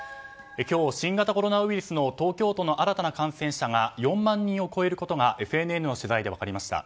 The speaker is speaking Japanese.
今日、新型コロナウイルスの東京都の新たな感染者が４万人を超えることがＦＮＮの取材で分かりました。